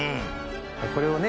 これをね